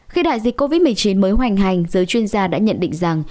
khi đại dịch covid một mươi chín mới hoành hành giới chuyên gia đã nhận định rằng